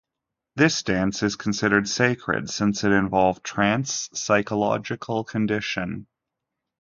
This dance is considered sacred since it involved trance psychological condition.